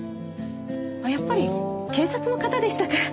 あっやっぱり警察の方でしたか。